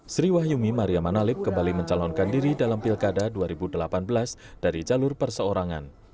sri wahyumi maria manalip kembali mencalonkan diri dalam pilkada dua ribu delapan belas dari jalur perseorangan